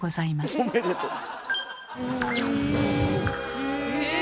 へえ？